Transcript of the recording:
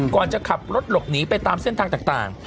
ก่อนจะขับรถหลบหนีไปตามเส้นทางต่าง